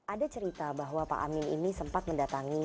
ada cerita bahwa pak amin ini sempat mendatangi